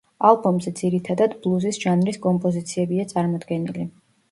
ალბომზე ძირითადად ბლუზის ჟანრის კომპოზიციებია წარმოდგენილი.